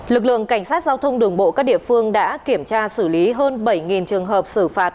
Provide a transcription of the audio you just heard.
lực lượng cảnh sát giao thông đường bộ các địa phương đã kiểm tra xử lý hơn bảy trường hợp xử phạt